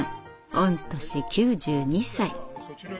御年９２歳。